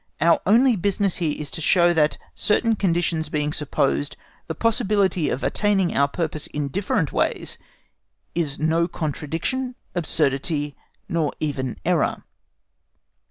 Our only business here is to show that, certain conditions being supposed, the possibility of attaining our purpose in different ways is no contradiction, absurdity, nor even error.